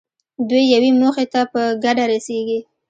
دوی یوې موخې ته په ګډه رسېږي.